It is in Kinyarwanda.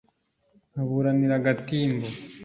nkaburanira gatimbo,